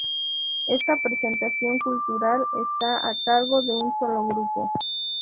Esta presentación cultural está a cargo de un solo grupo.